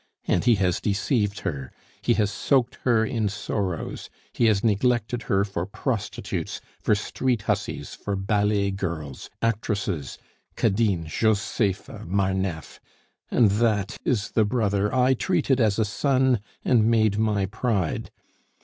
And he has deceived her, he has soaked her in sorrows, he has neglected her for prostitutes, for street hussies, for ballet girls, actresses Cadine, Josepha, Marneffe! And that is the brother I treated as a son and made my pride!